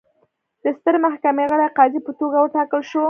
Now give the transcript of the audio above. د سترې محکمې غړي قاضي په توګه وټاکل شو.